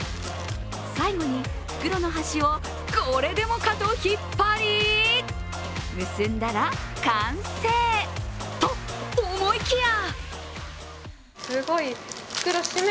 最後に袋の端をこれでもかと引っ張り、結んだら完成。と思いきや！